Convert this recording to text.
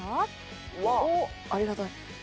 「おっありがたい」